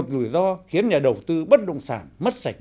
một mươi một lủi do khiến nhà đầu tư bất động sản mất sạch vốn